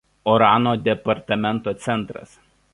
Orano departamento centras.